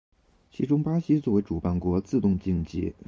其中巴西作为主办国自动晋级。